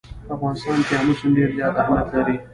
په افغانستان کې آمو سیند ډېر زیات اهمیت لري.